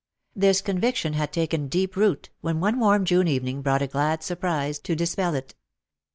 This conviction had taken deep root, when one warm June evening brought a glad surprise to dispel it.